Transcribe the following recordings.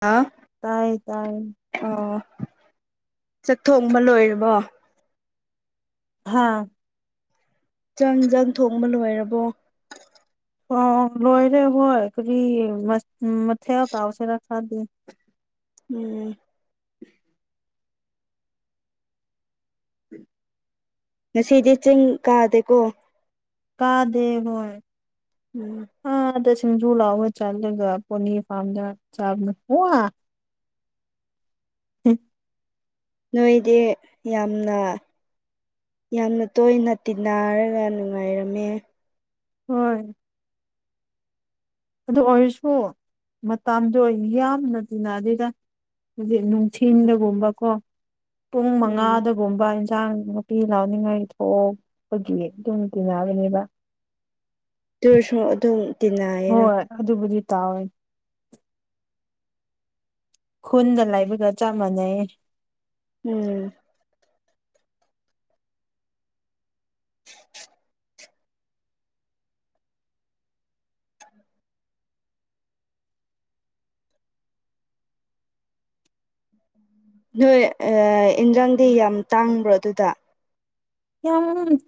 ꯑꯥ ꯇꯥꯏ ꯇꯥꯏ ꯆꯥꯛꯊꯣꯡꯕ ꯂꯣꯏꯔꯕ ꯍꯥꯥ ꯆꯪ ꯆꯥꯡ ꯊꯣꯡꯕ ꯂꯣꯏꯔꯕꯣ ꯑ ꯂꯣꯏꯔꯦ ꯍꯣꯏ ꯀꯔꯤ ꯃꯊꯦꯜ ꯇꯥꯎꯁꯤꯔ ꯈꯔꯗꯤ ꯎꯝ [unintelligible] ꯎꯝ ꯉꯁꯤꯗꯤ ꯆꯤꯡ ꯀꯥꯗꯦꯀꯣ ꯀꯥꯗꯦꯏ ꯎꯝ ꯁꯤꯡꯖꯨ ꯂꯥꯎꯑꯣꯋꯦ ꯆꯠꯂꯒ ꯄꯣꯅꯤꯔ ꯐꯥꯗ ꯆꯕꯅ ꯎꯝ ꯅꯣꯏꯗꯤ ꯌꯥꯝꯅ ꯌꯥꯝꯅ ꯇꯣꯏ ꯅꯥ ꯇꯤꯟꯅꯅꯥꯔꯒ ꯅꯨꯡꯉꯥꯏꯔꯝꯃꯦ ꯍꯣꯏ ꯑꯗꯨ ꯑꯣꯏꯔꯁꯨ ꯃꯇꯝꯗꯣ ꯌꯥꯝꯅ ꯇꯤꯟꯅꯑ ꯑꯗꯨꯏꯗ ꯍꯧꯖꯤꯛ ꯅꯨꯡꯊꯤꯜꯗꯒꯨꯝꯕꯀꯣ ꯄꯨꯡ ꯎꯝ ꯃꯉꯥꯗꯒꯨꯝꯕ ꯍꯥꯏ ꯍꯟꯁꯥꯡ ꯅꯥꯄꯤ ꯂꯥꯎꯅꯤꯡꯉꯥꯏ ꯊꯣꯛꯄꯒꯤ ꯑꯗꯨꯝ ꯇꯤꯟꯅꯕꯅꯦꯕ ꯇꯁꯨ ꯑꯗꯨꯝ ꯇꯤꯟꯅꯩꯌꯦꯅ ꯍꯣꯏ ꯑꯗꯨꯕꯨꯗꯤ ꯇꯥꯎꯋꯦ ꯈꯨꯟꯒ ꯂꯥꯏꯕꯒ ꯆꯞ ꯃꯥꯟꯅꯩ ꯎꯝ ꯅꯣꯏ ꯏꯟꯖꯥꯡꯗꯤ ꯌꯥꯝ ꯇꯥꯡꯕ꯭ꯔꯣ ꯑꯗꯨꯗ ꯌꯥꯝ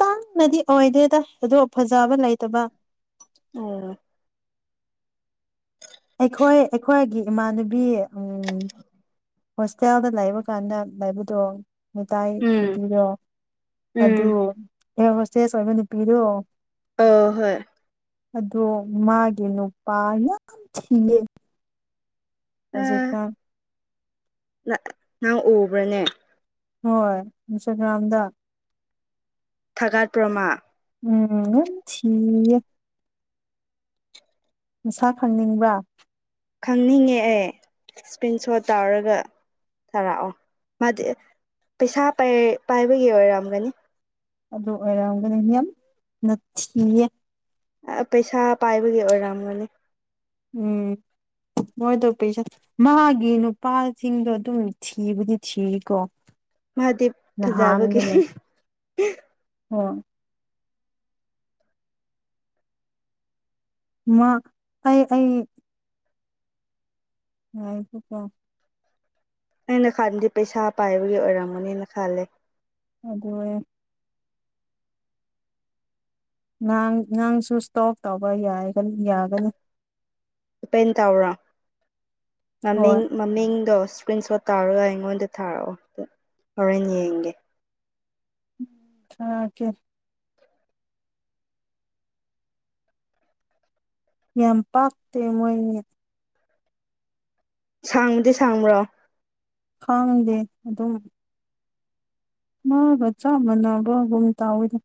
ꯇꯥꯡꯅꯗꯤ ꯑꯣꯏꯗꯦꯗ ꯑꯗꯣ ꯐꯖꯕ ꯂꯩꯇꯕ ꯑꯣ ꯑꯩꯈꯣꯏ ꯑꯩꯈꯣꯏꯒꯤ ꯏꯃꯥꯟꯅꯕꯤ ꯎ ꯍꯣꯁꯇꯦꯜꯗ ꯂꯩꯕ ꯀꯥꯟꯗ ꯂꯩꯕꯗꯣ ꯃꯥꯏ ꯎꯝ ꯅꯨꯄꯤꯗꯣ ꯎꯝ ꯑꯗꯨ ꯑꯦ ꯍꯣꯁꯇꯦꯁ ꯑꯣꯏꯕ ꯅꯨꯄꯤꯗꯣ ꯑ ꯍꯣꯏ ꯑꯗꯣ ꯃꯥꯒꯤ ꯅꯨꯄꯥ ꯌꯥꯝ ꯊꯤꯉꯦ ꯑ ꯍꯧꯖꯤꯛꯀ ꯅꯪ ꯎꯕ꯭ꯔꯅꯦ ꯍꯣꯏ ꯏꯝꯁꯔꯒ꯭ꯔꯝꯗ ꯊꯥ ꯒꯥꯠꯄꯔꯣ ꯃꯥ ꯎꯝ ꯊꯤꯌꯦ ꯁꯥ ꯈꯪꯅꯤꯡꯕ꯭ꯔꯥ ꯈꯪꯅꯤꯡꯉꯦ ꯑꯦ ꯏꯁꯀ꯭ꯔꯤꯟ ꯁꯣꯠ ꯇꯧꯔꯒ ꯊꯥꯔꯥꯛꯑꯣ ꯃꯥꯗꯤ ꯄꯩꯁꯥ ꯄꯥꯏꯕꯒꯤ ꯑꯣꯏꯔꯝꯒꯅꯤ ꯑꯗꯨ ꯑꯣꯏꯔꯝꯒꯅꯤ ꯌꯥꯝꯅꯊꯤꯌꯦ ꯄꯩꯁꯥ ꯄꯥꯏꯕꯒꯤ ꯑꯣꯏꯔꯝꯒꯅꯤ ꯎꯝ ꯃꯣꯏꯗꯣ ꯄꯩꯁꯥ ꯃꯥꯒꯤ ꯅꯨꯄꯥꯁꯤꯡꯗꯣ ꯑꯗꯨꯝ ꯊꯤꯕꯨꯗꯤ ꯊꯤꯔꯤꯀꯣ ꯃꯍꯥꯗꯤꯞ ꯐꯖꯥꯕꯒꯤ ꯑꯣ ꯃꯥ ꯑꯩ ꯑꯩ ꯑꯀꯣ [unintelligible] ꯑꯩꯅ ꯈꯟꯗꯤ ꯄꯩꯁꯥ ꯄꯥꯏꯕꯒꯤ ꯑꯣꯏꯔꯝꯃꯅꯤꯅ ꯈꯜꯂꯦ ꯑꯗ ꯅꯪꯁꯨ ꯏꯁꯇꯣꯞ ꯇꯧꯕ ꯌꯥꯒꯅꯤ ꯑꯣꯄꯦꯟ ꯇꯧꯔꯣ ꯍꯣꯏ ꯃꯃꯤꯡ ꯃꯃꯤꯡꯗꯣ ꯏꯁꯀ꯭ꯔꯤꯟ ꯁꯣꯠ ꯇꯥꯔꯒ ꯑꯩꯉꯣꯟꯗ ꯊꯥꯔꯛꯑꯣ ꯍꯣꯔꯦꯟ ꯌꯦꯡꯒꯦ ꯎꯝ ꯊꯀꯦ ꯌꯥꯝ ꯄꯥꯛꯇꯦ ꯃꯣꯏꯅꯤ ꯁꯥꯡꯕꯗꯤ ꯁꯥꯡꯕ꯭ꯔꯣ ꯈꯥꯡꯗꯦ ꯑꯗꯨꯝ ꯃꯥ ꯆꯥ ꯃꯅꯕꯒꯨꯃ ꯇꯏꯗ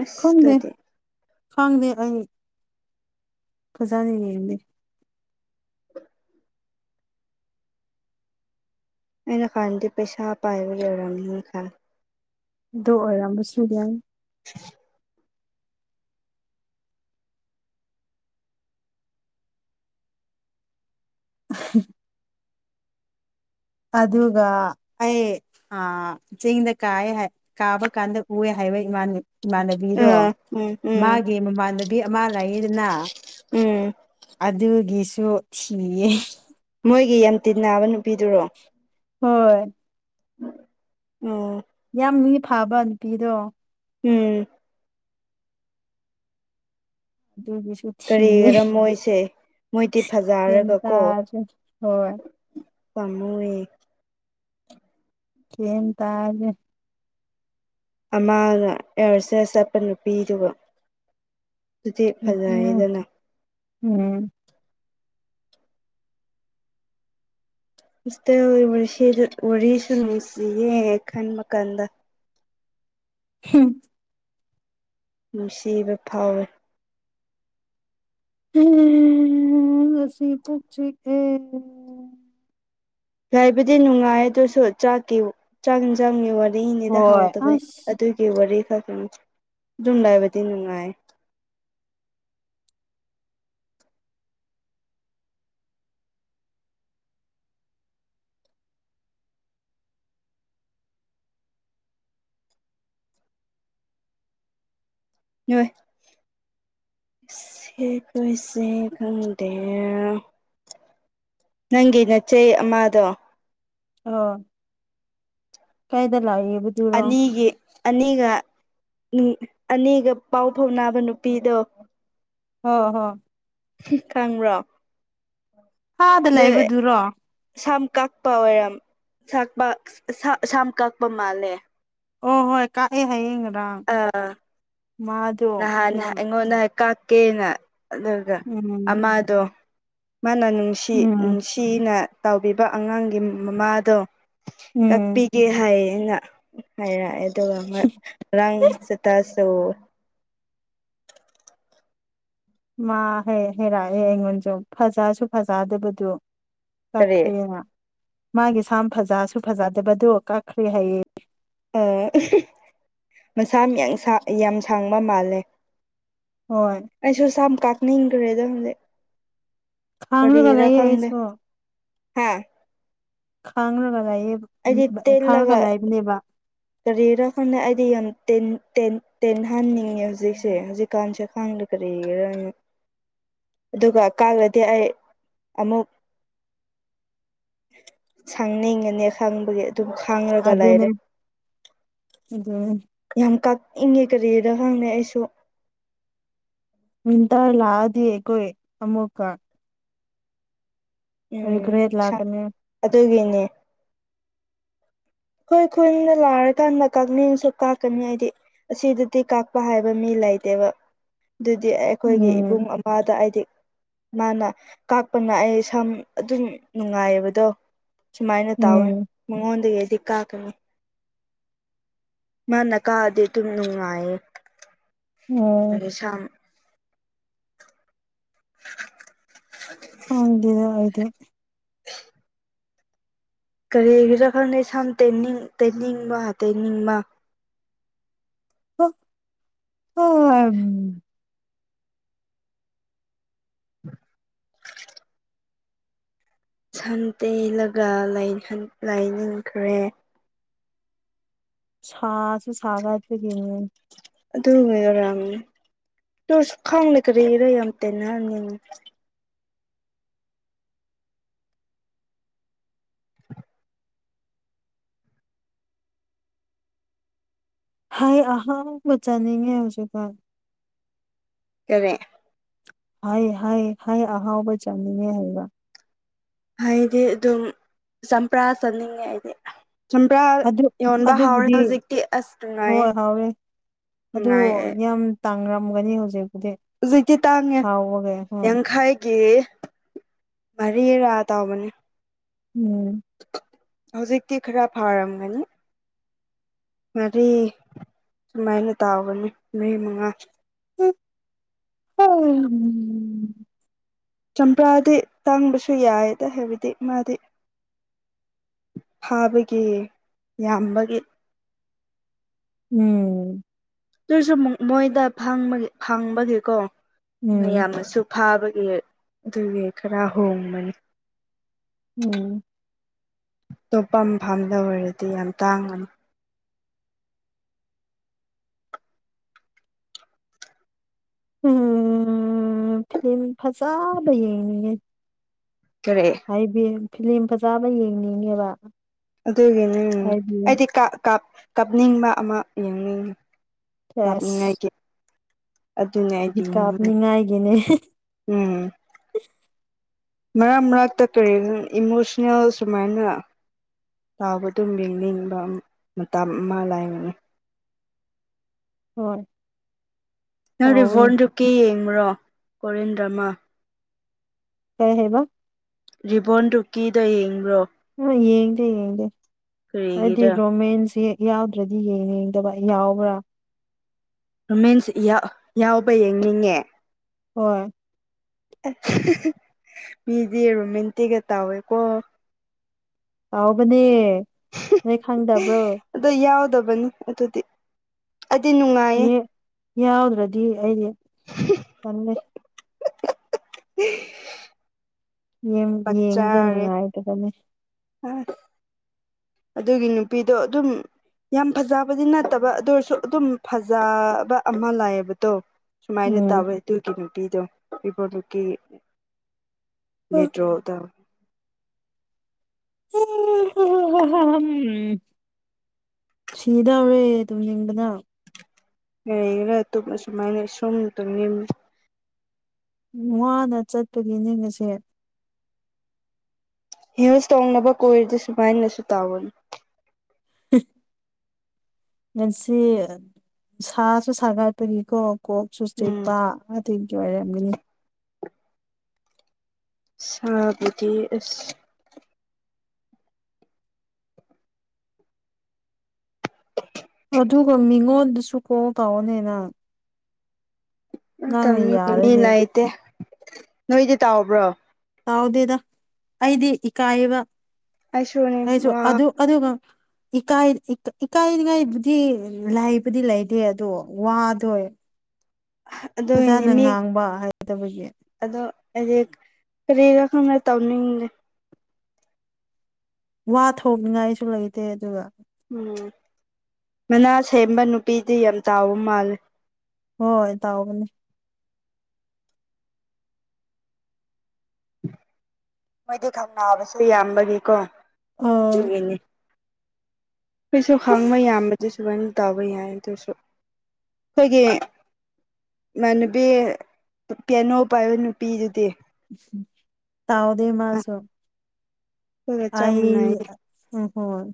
ꯑꯁꯗꯤ ꯁꯪꯗ ꯑꯩ ꯐꯖꯥꯅꯤ ꯌꯦꯗꯤ ꯑꯩꯅ ꯀꯥꯟꯅꯗꯤ ꯄꯩꯁꯥ ꯄꯥꯏꯕ ꯂꯩꯔꯅꯤꯅ ꯈꯜ ꯗꯣ ꯑꯣꯏꯔꯝꯕꯁꯨ ꯌꯥ [inaudible] [inaudible] ꯑꯗꯨꯒ ꯑꯩ ꯆꯤꯡꯗ ꯀꯥꯏ ꯀꯥꯕ ꯀꯥꯟꯗ ꯎꯑ ꯍꯥꯏꯕ ꯏꯃꯥꯟꯅꯕꯤꯗꯣ ꯑꯥ ꯎꯝ ꯎꯝ ꯃꯥꯒꯤ ꯃꯃꯥꯟꯅꯕꯤ ꯑꯃ ꯂꯩꯗꯨꯅ ꯎꯝ ꯑꯗꯨꯒꯤ ꯁꯨ ꯊꯌꯦ ꯃꯣꯏꯒꯤ ꯌꯥꯝ ꯇꯤ ꯅꯥꯕ ꯅꯨꯄꯤꯗꯨꯔꯣ ꯍꯣꯏ ꯎꯝ ꯌꯥꯝ ꯃꯤ ꯐꯥꯕ ꯅꯨꯄꯤꯗꯣ ꯎꯝ ꯑꯗꯨꯒꯤꯁꯨ ꯀꯔꯤ ꯊꯤꯌꯦ ꯀꯔꯝꯃꯣꯏꯁꯦ ꯃꯣꯏꯗꯤ ꯒ꯭ꯌꯥꯟ ꯐꯖꯔꯒ ꯀꯣ ꯇꯥꯗ꯭ꯔꯦ ꯍꯣꯏ ꯄꯥꯝꯃꯨꯏꯦ ꯍꯝ ꯇꯦ ꯑꯃꯅ ꯑꯦꯌꯥꯔꯁꯦꯁ ꯆꯠꯄ ꯅꯨꯄꯤꯗꯨꯒ ꯑꯗꯨꯗꯤ ꯑꯗꯨꯅꯦ ꯐꯖꯩꯗꯅ ꯎꯝ ꯏꯁꯗ ꯔꯤꯁ ꯔꯨꯁꯤ ꯑꯦ ꯈꯟ ꯃꯀꯥꯟꯗ ꯍꯝ ꯅꯨꯡꯁꯤꯕ ꯐꯥꯎꯋꯦ ꯎ ꯑꯁꯤ ꯄꯨꯛ ꯆꯤꯛꯑꯦ ꯍꯥꯏꯕꯗꯤ ꯅꯨꯡꯉꯥꯏ ꯑꯗꯨꯁꯨ ꯆꯥꯛꯀꯤ ꯆꯥꯡ ꯆꯥꯡꯒꯤ ꯋꯥꯔꯤ ꯃꯔꯤꯅꯤꯗ ꯍꯣꯏ ꯍꯥꯎꯗꯕꯩ ꯑꯁ ꯑꯗꯨꯒꯤ ꯋꯥꯔꯤ ꯨꯝꯗꯥꯏꯕꯗꯤꯅꯅꯨꯡꯅ ꯅꯣꯏꯏ ꯁꯦ ꯄꯩꯁꯦ ꯈꯪꯗꯦ ꯅꯪꯒꯤ ꯅꯆꯦ ꯑꯃꯗꯣ ꯑꯣ ꯀꯥꯏꯗ ꯂ ꯑꯅꯤꯒꯤ ꯑꯅꯤꯒ ꯑꯅꯤꯒ ꯄꯥꯎ ꯐꯥꯎꯅꯕ ꯅꯨꯄꯤꯗꯣ ꯍ ꯍꯝ ꯈꯪꯕ꯭ꯔꯣ ꯑꯥꯗ ꯅ ꯂꯩꯕꯗꯨꯔꯣ ꯁꯝ ꯀꯥꯛꯄ ꯑꯣꯏꯔꯝ ꯁꯛꯄ ꯁꯝ ꯀꯛꯄ ꯃꯥꯜꯂꯦ ꯑꯣ ꯍꯣꯏ ꯀꯥꯛꯑꯦ ꯍꯥꯏꯌꯦꯡ ꯑ ꯌꯥꯝ ꯅꯍꯥꯟꯉꯣꯟ ꯅ ꯀ ꯀꯦꯅ ꯑꯗꯨꯒ ꯎꯝ ꯑꯃꯗꯣ ꯃꯥꯅ ꯅꯨꯡꯁꯤ ꯎꯝ ꯅꯨꯡꯁꯤꯅ ꯇꯥꯎꯕꯤꯕ ꯑꯉꯥꯡꯒꯤ ꯃꯃꯥꯗꯣ ꯎꯝ ꯀꯛꯄꯤꯒꯦ ꯍꯥꯏꯌꯦꯅ ꯍꯥꯏꯔꯛꯑꯦ ꯑꯗꯨꯒ ꯔꯥꯡ ꯆꯇꯥ ꯁꯧ ꯃꯥ ꯍꯩꯔꯛꯑꯦ ꯑꯩꯉꯣꯟꯁꯨ ꯐꯖꯁꯨ ꯐꯖꯗꯕꯗꯨ ꯀꯔꯤ ꯀꯛꯈ꯭ꯔꯦꯅ ꯃꯥꯒꯤ ꯁꯥꯝ ꯐꯖꯁꯨ ꯐꯖꯗꯕꯗꯣ ꯀꯛꯈ꯭ꯔꯦ ꯍꯥꯏꯌꯦ ꯃꯁꯥ ꯌꯥꯝ ꯁꯥꯡꯕ ꯃꯥꯜꯂꯦ ꯍꯣꯏ ꯑꯩꯁꯨꯁꯝ ꯀꯥꯅ ꯏꯈ꯭ꯔꯦꯗ ꯍꯪꯗꯛ ꯈꯥꯡꯅꯕꯒ ꯂꯩꯌꯦ ꯑꯩꯁꯨꯣ ꯍꯥ ꯈꯥꯡꯔꯒ ꯂꯥꯏꯌꯦꯦꯕ ꯈꯥꯡꯔꯒ ꯂꯥꯏꯕꯅꯦꯕ ꯀꯔꯤꯔ ꯀꯥꯟꯗ ꯑꯩꯗꯤ ꯌꯥꯝ ꯇꯦꯟ ꯍꯟꯅꯤꯡꯉꯦ ꯍꯧꯖꯤꯛꯁꯦ ꯍꯧꯖꯤꯛꯀꯥꯟꯁꯦ ꯈꯪꯗ ꯀꯔꯤꯒꯔ ꯑꯗꯨꯒ ꯀꯂꯗꯤ ꯑꯩ ꯑꯃꯨꯛ ꯁꯪꯅꯤꯡꯉꯅꯤ ꯈꯪꯕꯒꯤ ꯑꯗꯨꯝ ꯈꯥꯡꯉꯒ ꯑꯗꯨꯅꯦ ꯂꯩꯔꯦ [inaudible] ꯌꯥꯝ ꯀꯛꯏꯉꯦ ꯀꯔꯤꯔ ꯈꯪꯗ‌ꯦ ꯑꯩꯁꯨ ꯃꯤꯟꯇꯔ ꯂꯥꯛꯑꯗꯤ ꯑꯩꯈꯣꯏ ꯑꯃꯃꯨꯀ ꯎꯝ ꯂꯥꯛꯀꯅꯤ ꯑꯗꯨꯒꯤꯅꯦ ꯑꯩꯈꯣꯏ ꯈꯨꯟꯗ ꯂꯥꯛꯔꯀꯥꯟꯗ ꯀꯛꯅꯤꯡꯁꯨ ꯀꯥꯛꯀꯅꯤ ꯑꯩꯏꯗꯤ ꯑꯁꯤꯗꯗꯤ ꯀꯥꯛꯄ ꯍꯥꯏꯕ ꯃꯤ ꯂꯩ ꯂꯩꯇꯦꯕ ꯑꯗꯨꯗꯤ ꯑꯩꯈꯣꯏꯒꯤ ꯎꯝ ꯏꯕꯨꯡ ꯑꯃꯗ ꯑ‌ꯦꯗꯤ ꯃꯥꯅ ꯀꯥꯛꯄꯅ ꯑꯩ ꯁꯝ ꯑꯗꯨꯝ ꯅꯨꯡꯉꯥꯏꯕꯗꯣ ꯁꯨꯃꯥꯏꯅ ꯇꯧꯋꯤ ꯎꯝ ꯃꯉꯣꯟꯗꯒꯤ ꯑꯩꯗꯤ ꯀꯥꯀꯅꯤ ꯃꯥꯅ ꯀꯛꯑꯗꯤ ꯑꯗꯨꯝ ꯅꯨꯡꯉꯥꯏꯌꯦ ꯑꯣ ꯁꯝ [unintelligible] ꯍꯗ ꯍꯥꯏꯗꯤ [unintelligible] ꯀꯔꯤꯒꯤꯔꯥ ꯈꯪꯗ‌ꯦ ꯁꯝ ꯇ‌ꯦꯅꯤꯡ ꯇ‌ꯦꯅꯤꯡꯕ ꯇ‌ꯦꯅꯤꯡꯕ ꯑꯣ ꯁꯝ ꯇꯦꯜꯂꯒ ꯂꯥꯏꯍꯟ ꯂꯩꯅꯤꯡꯈ‍꯭ꯔ‌ꯦ ꯁꯥꯁꯨ ꯁꯥꯒꯥꯠꯂꯛꯄꯒꯤꯅꯤ ꯑꯗꯨꯒꯤ ꯑꯣꯏꯔꯝꯅꯤ ꯇꯨꯁꯨ ꯈꯥꯡ ꯀꯔꯤꯒꯤꯔ ꯌꯥꯝ ꯇ‌ꯦꯅꯍꯟꯅꯤꯉꯤ ꯑꯩꯏ ꯑꯍꯥꯎꯕ ꯆꯥꯅꯤꯡꯉꯦ ꯍꯧꯖꯤꯛꯀꯅ ꯀꯔꯤ ꯍꯩ ꯍꯩ ꯍꯩ ꯑꯍꯥꯎꯕ ꯆꯥꯟꯅꯤꯡꯉꯦ ꯍꯥꯏꯕ ꯍꯥꯏꯗꯤ ꯑꯗꯨꯝ ꯆꯝꯄ꯭ꯔꯥ ꯆꯠꯅꯤꯡꯉꯦ ꯑꯩꯗꯤ ꯆꯝꯄ꯭ꯔꯥ ꯑꯗꯨ ꯌ‌ꯣꯟꯕ ꯍꯥꯎꯔꯦ ꯑꯗꯨꯕꯨꯗꯤ ꯍꯧꯖꯤꯛꯇꯤ ꯑꯁ ꯅꯨꯡꯉꯥꯏꯌꯦ ꯅꯨꯡꯉꯥꯏꯌꯦ ꯑꯗꯨꯌꯥꯝ ꯇꯥꯡꯔꯝꯒꯅꯤ ꯍꯧꯖꯤꯛ ꯍꯧꯖꯤꯛꯇꯤ ꯇꯥꯡꯉ‌ꯦ ꯍꯣꯏ ꯌꯥꯡꯈꯥꯏꯒꯤ ꯃꯔꯤꯔ ꯇꯥꯎꯕꯅꯤ ꯎꯝ ꯍꯧꯖꯤꯛꯇꯤ ꯈꯔ ꯐꯥꯔꯝꯒꯅꯤ ꯃꯔꯤ ꯁꯨꯃꯥꯏꯅ ꯇꯥꯎꯒꯅꯤ ꯃꯔꯤ ꯃꯉꯥ [unintelligible] ꯆꯝꯄ꯭ꯔꯥꯗꯤ ꯇꯥꯡꯕꯁꯨ ꯌꯥꯏꯗ ꯍꯥꯏꯕꯗꯤ ꯃꯥꯗꯤ ꯐꯕꯒꯤ ꯌꯥꯝꯕꯒꯤ ꯎꯝ ꯑꯗꯨꯁꯨ ꯃꯣꯏꯗ ꯐꯝꯕ ꯐꯪꯕꯒꯤꯀꯣ ꯎꯝ ꯃꯌꯥꯝꯅꯁꯨ ꯐꯥꯕ ꯑꯗꯨꯒꯤ ꯈꯔ ꯍꯣꯡꯕꯅꯤ ꯎꯝ ꯇꯣꯞꯄꯝ ꯐꯝꯝꯗ ꯑꯣꯏꯔꯗꯤ ꯌꯥꯝ ꯇꯥꯡꯕꯅꯤ ꯎꯝ ꯐꯤꯂꯝ ꯐꯖꯥꯕ ꯌ‌ꯦꯡꯅꯤꯡꯉ‌ꯦ ꯀꯔꯤ ꯍꯥꯏꯗꯤ ꯐꯤꯂꯝ ꯐꯖꯕ ꯌꯦꯡꯅꯤꯡꯉꯦꯕ ꯑꯗꯨꯒꯤꯅꯦ ꯍꯥꯏꯕꯤꯌꯨ ꯑꯩꯗꯤ ꯀꯥ ꯀꯥ ꯀꯥꯞꯅꯤꯡꯕ ꯑꯃ ꯌꯦꯡꯅꯤꯡꯉꯤ ꯑꯁ ꯀꯞꯅꯤꯡꯉꯥꯏꯒꯤ ꯀꯥꯞꯅꯤꯡꯉꯥꯏꯒꯤꯅꯦ ꯎꯝ ꯃꯔꯛ ꯃꯔꯛꯇ ꯀꯔꯤ ꯏꯃꯣꯁꯅꯦꯜ ꯁꯨꯃꯥꯏꯅ ꯌꯥꯎꯕ ꯑꯗꯨꯝ ꯌꯦꯡꯅꯤꯡꯕ ꯃꯇꯝ ꯑꯃ ꯂꯥꯏꯕꯅ‌ꯦ ꯍ‌ꯣꯏ ꯅꯪ ꯔꯤꯚꯣꯔꯗꯨꯀꯦ ꯌꯦꯡꯕꯨꯔꯣ ꯀꯣꯔꯤꯌꯟ ꯗ꯭ꯔꯃꯥ ꯀꯩ ꯍꯥꯏꯕ ꯔꯤꯕꯣꯟꯗꯨꯨꯀꯤꯗ ꯌꯦꯡꯕ꯭ꯔꯣ ꯌꯦꯡꯗꯦ ꯌꯦꯡꯗꯦ ꯍꯥꯏꯗꯤ ꯀꯔꯤꯒꯤꯔ ꯔꯣꯃꯦꯟꯁꯤ ꯌꯥꯎꯗ꯭ꯔꯗꯤ ꯌꯦꯡ ꯌꯦꯡꯗꯕ ꯌꯥꯎꯕ꯭ꯔꯥ ꯔꯃꯤꯟꯁ ꯌꯥꯎꯕ ꯌꯦꯡꯅꯤꯡꯉꯦ ꯍꯣꯏ ꯃꯤꯗꯤ ꯔꯣꯃꯦꯟꯇꯤꯒ ꯇꯥꯎꯋꯦꯀꯣ ꯇꯥꯎꯕꯅꯦ ꯅꯣꯏ ꯈꯪꯗꯕ꯭ꯔꯣ ꯅꯤ ꯑꯗꯨꯗꯤ ꯑꯩꯗꯤ ꯅꯨꯡꯉꯥꯏꯌꯦ ꯌꯥꯎꯗ꯭ꯔꯗꯤ ꯑꯩꯗꯤ ꯆꯂꯩ ꯎ ꯌꯦꯡꯕꯗ ꯅꯨꯡꯉꯥꯏꯗꯕꯅꯤ ꯑꯗꯨꯒꯤ ꯅꯨꯄꯤꯗꯣ ꯑꯗꯨꯝ ꯌꯥꯝ ꯐꯖꯕꯗꯤ ꯅꯠꯇꯕ ꯑꯗꯨ ꯑꯣꯏꯔꯁꯨ ꯑꯗꯨꯝ ꯐꯖꯕ ꯑꯃ ꯂꯥꯛꯑꯌꯦꯕꯗꯣ ꯁꯨꯃꯥꯏꯅ ꯎꯝ ꯇꯧꯋꯦ ꯑꯗꯨꯒꯤ ꯅꯨꯄꯤꯗꯣ ꯏꯕꯣ ꯅꯨꯀꯤ ꯎꯝ ꯅꯇ꯭ꯔꯣꯗ ꯎꯝ ꯁꯤꯗ ꯑꯔꯦ ꯇ ꯌꯦꯅ ꯑꯦ ꯇꯨꯁꯨ ꯃꯥꯏꯅꯦ ꯁ ꯋꯥꯅ ꯆꯠꯄꯒꯤ ꯅꯤꯡ ꯑꯁꯦ ꯍꯤꯌꯁ ꯇꯣꯡꯅꯕ ꯀꯣꯏꯔꯗ ꯁꯨꯃꯥꯏꯅꯁꯨ ꯇꯥꯋꯟ ꯎ ꯉꯟꯁꯤ ꯁꯥꯁꯨ ꯁꯥꯒꯠꯄꯒꯤꯀꯣ ꯀꯣꯛꯁꯨ ꯎꯝ ꯆꯦꯛꯄ ꯑ ꯊꯦꯡꯒꯤ ꯑꯣꯏꯔꯝꯒꯅꯤ ꯁꯥꯕꯗꯤ ꯑꯁ ꯑꯗꯨꯒ ꯃꯤꯉꯣꯟꯗꯨꯁꯨ ꯀꯣ ꯀꯥꯎꯑꯣꯅꯦꯅꯪ ꯎ ꯇꯝ ꯃꯤ ꯌꯥꯔꯗꯤ ꯂꯩꯇꯦ ꯅꯣꯏꯗꯤ ꯇꯥꯎꯕ꯭ꯔꯣ ꯇꯥꯎꯗꯦꯗ ꯑꯩꯗꯤ ꯏꯀꯥꯏꯌꯦꯕ ꯑꯩꯁꯨꯅꯤ ꯑꯩꯁꯨ ꯋꯥ ꯑꯗꯨ ꯑꯗꯨꯒ ꯏꯀꯥꯏꯅꯤꯡꯉꯥꯏꯕꯨꯗꯤ ꯂꯥꯏꯕꯨꯗꯤ ꯂꯩꯇꯦ ꯑꯗꯣ ꯋꯥꯗꯣꯏ ꯑꯗꯨꯒꯤꯅꯤ ꯐꯖꯅ ꯃꯤ ꯉꯥꯡꯕ ꯍꯥꯏꯗꯕꯒꯤ ꯁꯪꯅ ꯇꯧꯅꯤꯡꯉꯦ ꯋꯥ ꯊꯣꯛꯅꯤꯡꯉꯥꯏꯁꯨ ꯂꯩꯇꯦ ꯑꯗꯨꯒ ꯎꯝ ꯃꯅꯥ ꯁꯦꯝꯕ ꯅꯨꯄꯤꯗꯤ ꯌꯥꯝ ꯇꯥꯎꯕ ꯃꯥꯜꯂꯦ ꯍꯣꯏ ꯇꯥꯎꯒꯅꯤ ꯃꯣꯏꯗꯤ ꯊꯧꯅꯥꯕꯁꯨ ꯌꯥꯝꯕꯒꯤꯀꯣ ꯎ ꯑꯗꯨꯒꯤꯅꯤ ꯑꯩꯈꯣꯏꯁꯨ ꯈꯪꯕ ꯌꯥꯝꯕꯗꯤ ꯁꯨꯃꯥꯏꯅ ꯇꯥꯕ ꯌꯥꯏ ꯑꯗꯨꯁꯨ ꯑꯩꯈꯣꯏꯒꯤ ꯏꯃꯅꯕꯤ ꯀꯦꯩꯅꯣ ꯄꯥꯏꯌ ꯅꯨꯄꯤꯗꯨꯗꯤ ꯇꯑꯣꯗ ꯑꯁ ꯃꯥꯁꯨ ꯑꯗꯨꯒ ꯆꯞ ꯑꯩ ꯃꯥꯟꯅꯩꯌꯦ ꯍꯣꯏ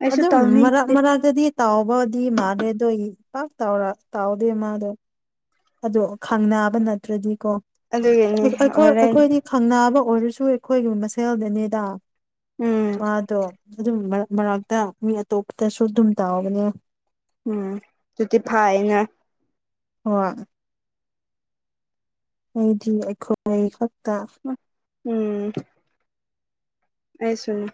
ꯑꯩꯁꯨ ꯑꯗꯨꯝ ꯃꯔꯥꯛ ꯇꯧꯅꯤꯡꯗꯦ ꯃꯔꯥꯛꯒꯗꯤ ꯇꯥꯎꯕꯗꯤ ꯃꯥꯅꯦꯦꯗꯣ ꯏ ꯄꯥꯛ ꯇꯥꯎ꯭ꯔꯥ ꯇꯥꯎꯗꯦ ꯃꯥꯗꯣ ꯑꯗꯣ ꯈꯪ ꯅꯥꯕ ꯑꯗꯨꯒꯤꯅꯤ ꯅꯠꯇ꯭ꯔꯗꯤꯀꯣꯣꯏ ꯍꯣꯔꯦꯟ ꯑꯩꯈꯣꯏꯗꯤ ꯈꯪ ꯅꯥꯕ ꯑꯣꯏꯔꯁꯨ ꯑꯩꯈꯣꯏꯒꯤ ꯃꯁꯦꯜꯗꯅꯦꯗ ꯎꯝ ꯃꯥꯗꯣ ꯑꯗꯨꯝ ꯃꯔ ꯃꯔꯛꯇ ꯃꯤ ꯑꯇꯣꯞꯄꯇꯁꯨ ꯑꯗꯨꯝ ꯇꯥꯎꯕꯅꯦ ꯎꯝ ꯑꯗꯨꯗꯤ ꯐꯥꯏꯅ ꯍ ꯑꯩꯗꯤ ꯑꯩꯈꯣꯏ ꯈꯛꯇ ꯎꯝ ꯑꯩꯁꯨꯅꯣ